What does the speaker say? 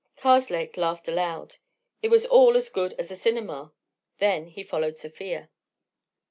Karslake laughed aloud: it was all as good as a cinema. Then he followed Sofia.